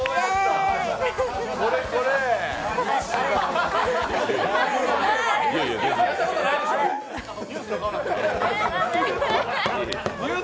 これこれー。